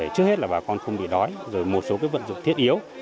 trước hết là bà con không bị đói rồi một số vật dụng thiết yếu